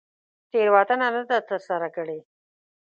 تېروتنه نه ده تر سره کړې.